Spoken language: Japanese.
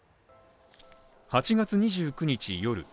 ８月２９日夜。